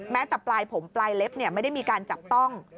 แต่ปลายผมปลายเล็บไม่ได้มีการจับต้อง